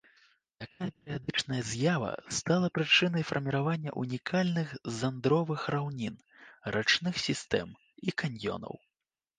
Такая перыядычная з'ява стала прычынай фарміравання унікальных зандровых раўнін, рачных сістэм і каньёнаў.